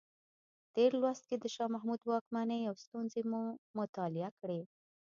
تېر لوست کې د شاه محمود واکمنۍ او ستونزې مو مطالعه کړې.